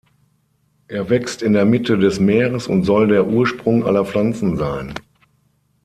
Er wächst in der Mitte des Meeres und soll der Ursprung aller Pflanzen sein.